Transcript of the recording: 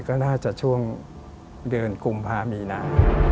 ก็น่าจะช่วงเดือนกุมภามีนา